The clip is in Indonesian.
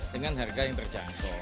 dengan harga yang berjangkau